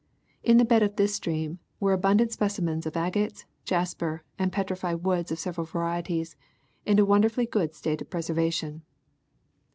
In the bed of this stream were abundant sj)ecimens of agates, jasper, and petrified woods of several varieties in a wonderfully good state of preservation.